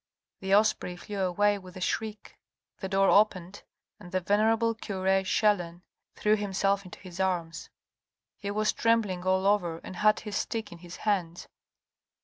The osprey flew away with a shriek. The door opened, and the venerable cure Chelan threw himself into his arms. He was trembling all over and had his stick in his hands.